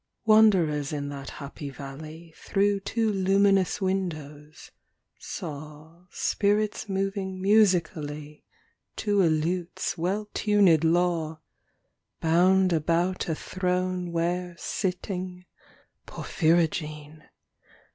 Wanderers in that happy valley, Through two luminous windows, saw Spirits moving musically, To a lute's well tunëd law, Bound about a throne where, sitting (Porphyrogene!)